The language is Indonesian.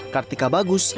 kartika bagus seragen